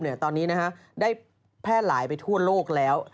ตอนนี้ได้แพร่หลายไปทั่วโลกแล้ว